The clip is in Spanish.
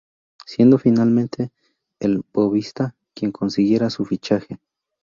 Siendo finalmente el Boavista quien consiguiera su fichaje.